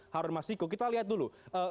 harun masiku kita lihat dulu